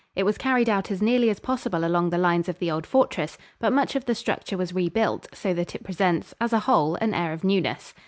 It was carried out as nearly as possible along the lines of the old fortress, but much of the structure was rebuilt, so that it presents, as a whole, an air of newness.